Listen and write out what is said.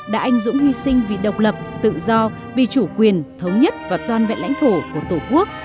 đã anh dũng hy sinh vì độc lập tự do vì chủ quyền thống nhất và toàn vẹn lãnh thổ của tổ quốc